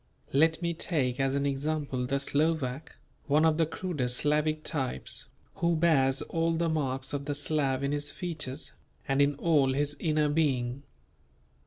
Let me take as an example the Slovak, one of the crudest Slavic types, who bears all the marks of the Slav in his features and in all his inner being.